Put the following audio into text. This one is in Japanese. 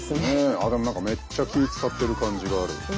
あっでも何かめっちゃ気ぃ遣ってる感じがある。